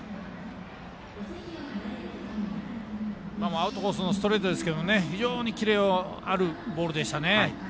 アウトコースのストレートですけど非常にキレのあるボールでしたね。